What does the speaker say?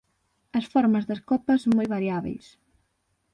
As formas das copas son moi variábeis.